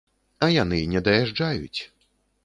А яны не даязджаюць!